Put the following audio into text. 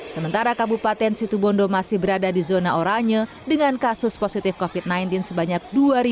sementara kabupaten situbondo masih berada di zona oranye dengan kasus positif covid sembilan belas sebanyak dua ratus